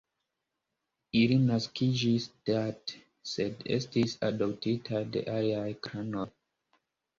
Ili naskiĝis Date, sed estis adoptitaj de aliaj klanoj.